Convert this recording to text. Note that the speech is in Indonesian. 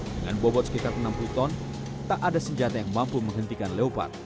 dengan bobot sekitar enam puluh ton tak ada senjata yang mampu menghentikan leopard